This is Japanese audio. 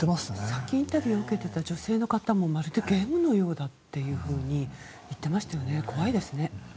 さっき、インタビューを受けていた女性の方もまるでゲームのようだと言っていましたね。